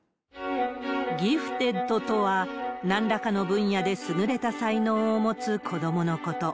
ギフテッドとは、なんらかの分野で優れた才能を持つ子どものこと。